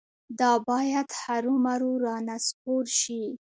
دا باید هرومرو رانسکور شي.